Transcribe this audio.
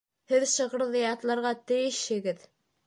Һеҙ шиғырҙы ятларға тейешһегеҙ